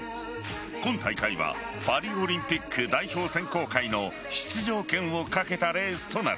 今大会はパリオリンピック代表選考会の出場権を懸けたレースとなる。